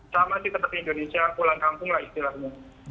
sama sih seperti indonesia pulang kampung lah istilahnya